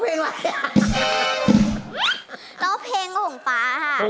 แล้วเพลงของป๊าค่ะ